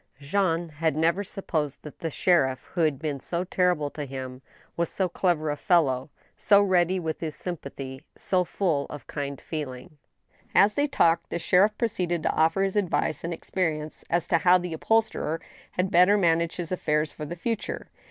Jean had never supposed that the sheriff who had been so terri ble to him was so clever a fellow — so ready with his sympathy, so full of kind feeeling. As they talked, the sheriff proceeded to offer his advice and ex perience as to how the upholsterer had better manage his affairs for the future.